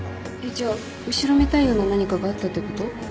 じゃあ後ろめたいような何かがあったってこと？